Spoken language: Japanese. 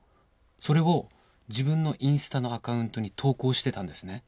それを自分のインスタのアカウントに投稿してたんですね。